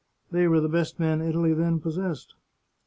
They were the best men Italy then possessed.